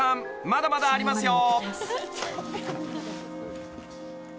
まだまだありますよ］